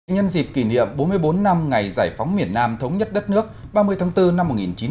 nhân dịp kỷ niệm bốn mươi bốn năm ngày giải phóng miền nam thống nhất đất nước ba mươi tháng bốn năm một nghìn chín trăm bảy mươi năm